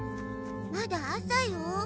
まだ朝よ。